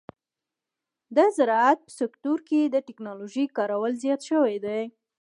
د زراعت په سکتور کې د ټکنالوژۍ کارول زیات شوي دي.